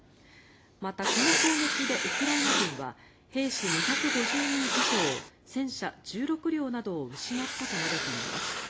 また、この攻撃でウクライナ軍は兵士２５０人以上戦車１６両などを失ったと述べています。